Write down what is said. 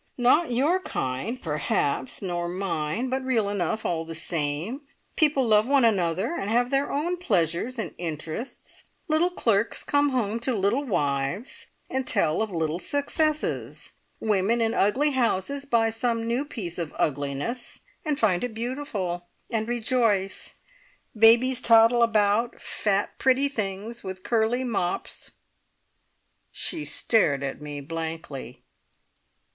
"Not your kind perhaps, nor mine, but real enough all the same. People love one another, and have their own pleasures and interests. Little clerks come home to little wives and tell of little successes. Women in ugly houses buy some new piece of ugliness, and find it beautiful, and rejoice. Babies toddle about fat, pretty things, with curly mops." She stared at me blankly.